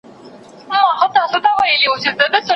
ښه اخلاق خپل کړه چي خلک درسره مينه وکړي او احترام درکړي .